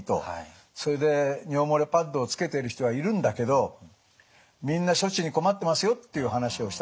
それで尿漏れパッドをつけてる人はいるんだけどみんな処置に困ってますよっていう話をしたんです。